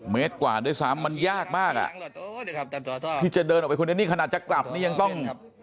เมตรกว่าด้วยซ้ำมันยากมากอ่ะที่จะเดินออกไปคนนี้นี่ขนาดจะกลับนี่ยังต้อง